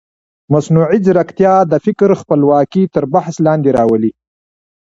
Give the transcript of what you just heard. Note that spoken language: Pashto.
مصنوعي ځیرکتیا د فکر خپلواکي تر بحث لاندې راولي.